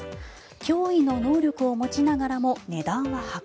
驚異の能力を持ちながらも値段は破格。